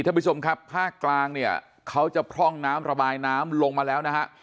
ท่านผู้ชมครับภาคกลางเนี่ยเขาจะพร่องน้ำระบายน้ำลงมาแล้วนะฮะ